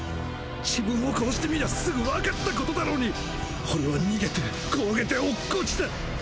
自分を殺してみりゃすぐわかった事だろうに俺は逃げて転げて落っこちた！